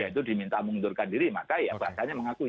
itu diminta mengundurkan diri maka ya bahasanya mengakui